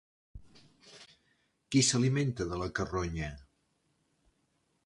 Qui s'alimenta de la carronya?